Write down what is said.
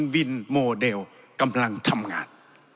มินโมเดลกำลังทำงาน